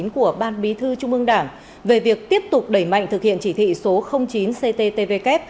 của ban bí thư trung ương đảng về việc tiếp tục đẩy mạnh thực hiện chỉ thị số chín cttvk